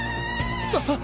あっ。